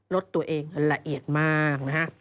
รถตัวเองละเอียดมากนะฮะ